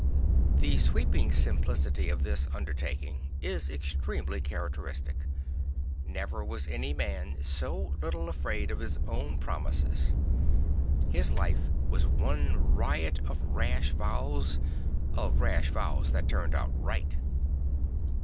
The sweeping simplicity of this undertaking is extremely characteristic. Never was any man so little afraid of his 0\\'11 promises. His life was one riot of rash vows; of rash vows that turned out right.